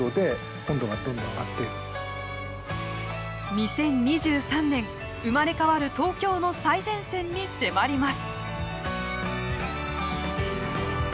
２０２３年、生まれ変わる東京の最前線に迫ります。